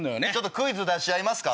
クイズ出し合いますか？